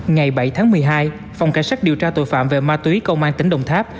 ngày bảy tháng một mươi hai phòng cảnh sát điều tra tội phạm về ma túy công an tỉnh đồng tháp